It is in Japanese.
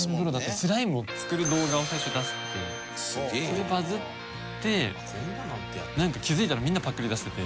スライムを作る動画を最初出してそれバズってなんか気づいたらみんなパクりだしてて。